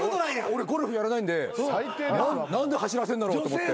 俺ゴルフやらないんで何で走らせんだろうと思って。